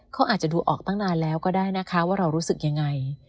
เขาอาจจะดูออกตั้งนานแล้วก็ได้นะคะว่าเรารู้สึกยังไง